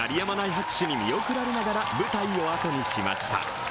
拍手に見送られながら舞台をあとにしました。